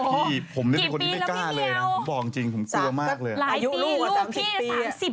พี่ผมเนี่ยเป็นคนที่ไม่กล้าเลยนะผมบอกจริงผมกลัวมากเลยอายุลูกก็๓๐ปี